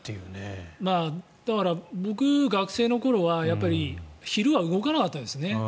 だから、僕、学生の頃は昼は動かなかったですね。